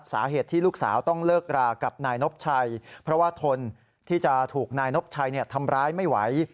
สาเหตุที่ลูกสาวต้องเลิกรากับนายนบชัยเพราะว่าทนที่จะถูกนายนบชัยทำร้ายไม่ไหว